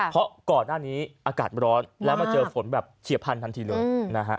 เพราะก่อนหน้านี้อากาศร้อนแล้วมาเจอฝนแบบเฉียบพันธันทีเลยนะฮะ